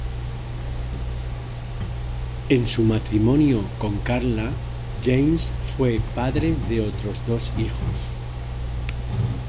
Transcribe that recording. En su matrimonio con Karla James fue padre de otros dos hijos.